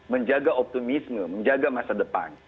menjaga optimisme menjaga masa depan